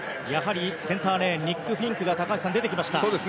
センターレーンニック・フィンクが出てきました。